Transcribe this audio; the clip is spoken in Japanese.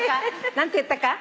何て言ったか。